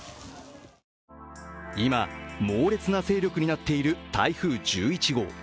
今、猛烈な勢力になっている台風１１号。